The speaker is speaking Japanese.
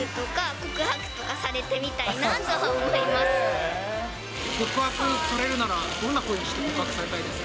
告白されるなら、どんなふうにして告白されたいですか？